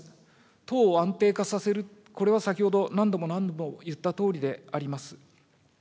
党を安定化させる、これは先ほど何度も何度も言ったとおりであります。